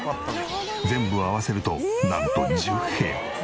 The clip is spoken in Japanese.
全部合わせるとなんと１０部屋！